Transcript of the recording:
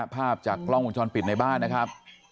นี่ภาพจากกล้องหวังช้อนปิดในบ้านนะครับ